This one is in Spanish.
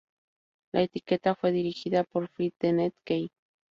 La etiqueta fue dirigida por Fred Dennett Key.